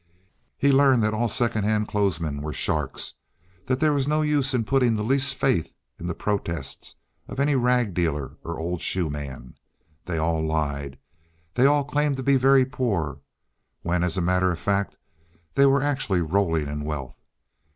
He learned that all second hand clothes men were sharks; that there was no use in putting the least faith in the protests of any rag dealer or old shoe man. They all lied. They all claimed to be very poor, when as a matter of fact they were actually rolling in wealth.